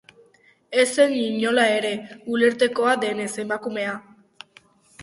Ez zen inola ere, ulertzekoa denez, emakumea.